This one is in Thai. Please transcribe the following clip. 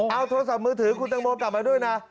เอาโทรศัพท์มือถือคุณตังโมกลับมาด้วยนะ